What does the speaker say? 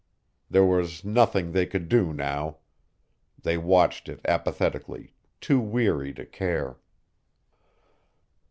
There was nothing they could do now. They watched it apathetically, too weary to care.